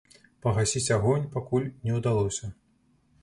Пагасіць агонь пакуль не ўдалося.